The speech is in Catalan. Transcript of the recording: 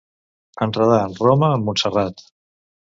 Enredar Roma amb Montserrat.